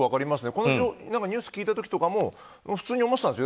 このニュース聞いた時も普通に思ってたんですよ。